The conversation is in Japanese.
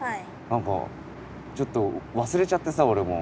なんかちょっと忘れちゃってさ俺も。